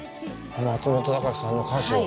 松本隆さんの歌詞を。